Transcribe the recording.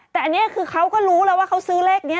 แต่อันนี้คือเขาก็รู้แล้วว่าเขาซื้อเลขนี้